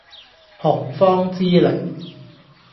洪荒之力